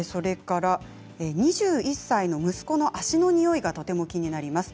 ２１歳の息子の足のにおいがとても気になります。